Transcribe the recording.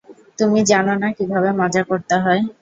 তুমি জানো না কীভাবে মজা করতে হয়।